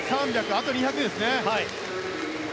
あと２００ですね。